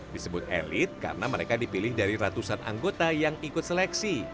disebut elit karena mereka dipilih dari ratusan anggota yang ikut seleksi